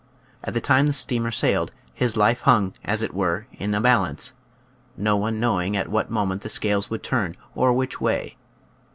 At the time the steamer sailed his Kfe hung, as it were, in a balance, no one knowing at what moment the scales would turn, or which way.